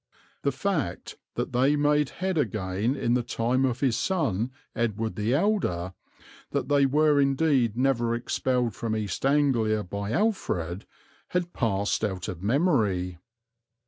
The fact that they made head again in the time of his son Edward the Elder, that they were indeed never expelled from East Anglia by Alfred, had passed out of memory.